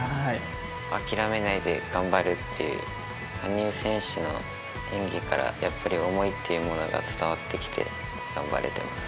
諦めないで頑張るっていう、羽生選手の演技から、やっぱり、想いっていうものが伝わってきて、頑張れてます。